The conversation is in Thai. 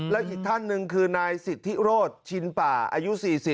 และอีกท่านหนึ่งคือนายสิทธิโรธชินป่าอายุ๔๐